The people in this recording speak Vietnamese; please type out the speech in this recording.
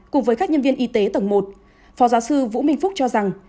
cùng với các nhân viên y tế tầng một phó giáo sư vũ minh phúc cho rằng